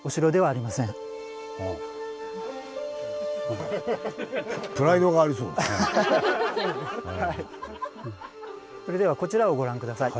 なんかそれではこちらをご覧下さい。